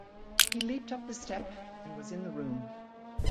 He leaped up the step and was in the room.